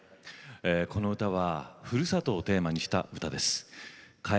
この歌は故郷をテーマにした歌です。